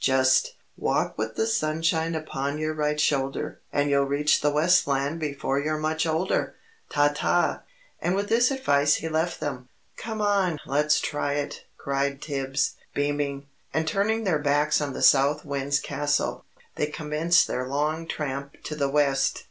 "Just Walk with the Sunshine Upon your right shoulder, And you'll reach the West Land Before you're much older. Ta ta!" And with this advice he left them. "Come on! Let's try it," cried Tibbs, beaming. And turning their backs on the South Wind's Castle, they commenced their long tramp to the West.